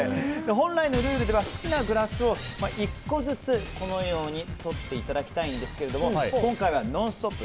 本来のルールですと好きなグラスを１個ずつ取っていただきたいんですが今回は「ノンストップ！」